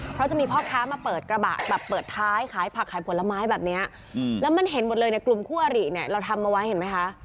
เพราะจะมีพ่อค้ามาเปิดกระบะแบบเปิดท้ายขายผักขายผลไม้แบบนี้แล้วมันเห็นหมดเลยในกลุ่มคู่อริเนี่ยเราทำเอาไว้เห็นไหมคะ